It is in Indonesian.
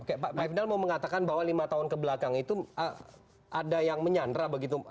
oke pak pak evendal mau mengatakan bahwa lima tahun ke belakang itu ada yang menyanra begitu